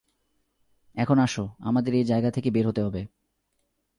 এখন আসো, আমাদের এ জায়গা থেকে বের হতে হবে।